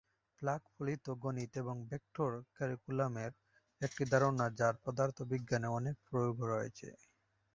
Flux ফলিত গণিত এবং ভেক্টর ক্যালকুলাসের একটি ধারণা যার পদার্থবিজ্ঞানে অনেক প্রয়োগ রয়েছে।